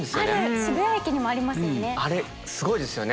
渋谷駅にもありますよね。